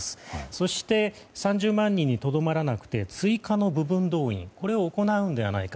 そして３０万人にとどまらなくて追加の部分動員を行うのではないか。